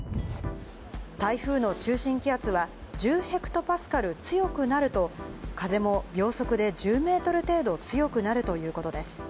台風の中心気圧は、１０ヘクトパスカル強くなると、風も秒速で１０メートル程度強くなるということです。